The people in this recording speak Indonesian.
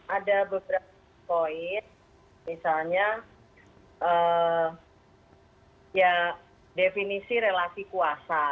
ada beberapa poin misalnya ya definisi relasi kuasa